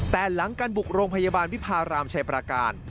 แต่หลังการบุกโรงพยาบาลวิพารามชัยประการ